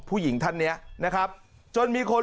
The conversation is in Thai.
ผู้หญิงท่านเนี้ยนะครับจนมีคน